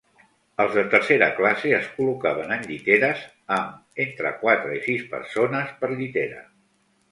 Els de tercera classe es col·locaven en lliteres amb entre quatre i sis persones per llitera.